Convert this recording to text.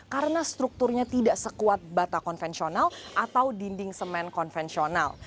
karena strukturnya tidak sekuat bata konvensional atau dinding semen konvensional